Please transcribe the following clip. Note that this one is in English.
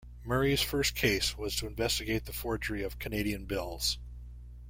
Murray's first case was to investigate the forgery of Canadian bills.